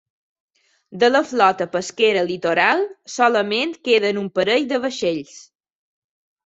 De la flota pesquera litoral solament queden un parell de vaixells.